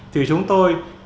thì chúng tôi